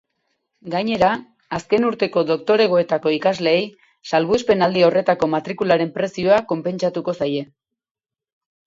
Gainera, azken urteko doktoregoetako ikasleei salbuespen aldi horretako matrikularen prezioa konpentsatuko zaie.